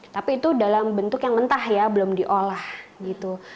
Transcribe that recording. tapi itu dalam bentuk yang mentah ya belum diolah gitu